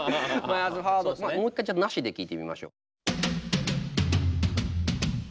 もう一回ちゃんとなしで聴いてみましょう。